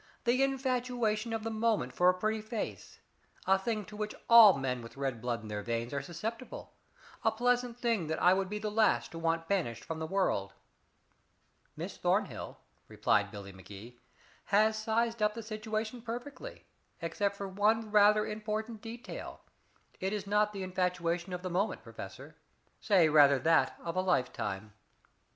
The infatuation of the moment for a pretty face a thing to which all men with red blood in their veins are susceptible a pleasant thing that I would be the last to want banished from the world." "Miss Thornhill," replied Billy Magee, "has sized up the situation perfectly except for one rather important detail. It is not the infatuation of the moment, Professor. Say rather that of a lifetime."